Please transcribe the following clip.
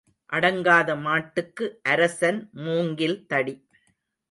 அடங்காத மாட்டுக்கு அரசன் மூங்கில் தடி.